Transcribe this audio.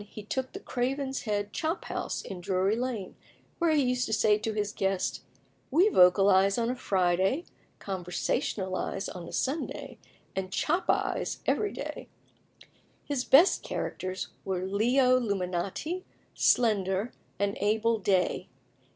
In 1821 he took the Craven's Head Chop house in Drury Lane, where he used to say to his guests, "We vocalise on a Friday, conversationalise on a Sunday, and chopise every day." His best characters were Leo Luminati, Slender, and Abel Day.